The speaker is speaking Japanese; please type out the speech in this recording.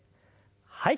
はい。